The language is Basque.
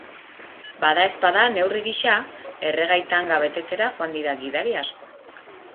Badaezpadako neurri gisa, erregai-tanga betetzera joan dira gidari asko.